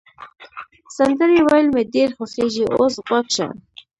سندرې ویل مي ډېر خوښیږي، اوس غوږ شه.